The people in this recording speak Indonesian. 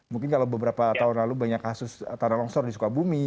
mungkin kalau beberapa tahun lalu banyak kasus tanah longsor di sukabumi